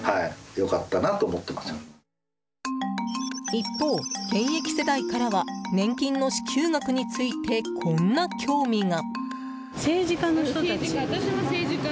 一方、現役世代からは年金の支給額についてこんな興味が。